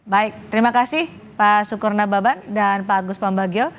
baik terima kasih pak sukur nababan dan pak agus pambagio